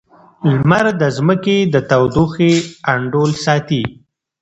لمر د ځمکې د تودوخې انډول ساتي.